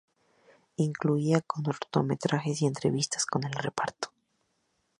Incluía cortometrajes y entrevistas con el reparto.